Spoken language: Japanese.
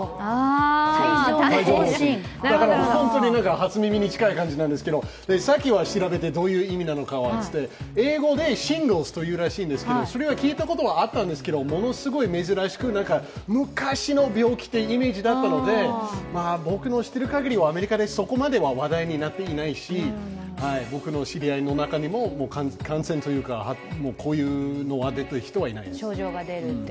初耳に近いんですが、調べてどういう意味かというと英語でシンローズと言うらしいんですけど、それは聞いたことはあったんですが、ものすごい珍しく、昔の病気っていうイメージだったので僕の知ってるかぎりはアメリカではそこまで話題になってないし僕の知り合いの中にも感染というか、こういうのが出ている人はいないです。